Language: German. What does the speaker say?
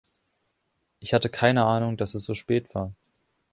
Ich hatte keine Ahnung, dass es so spät war.